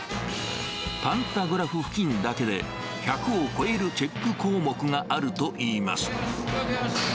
パンタグラフ付近だけで、１００を超えるチェック項目があるといいます。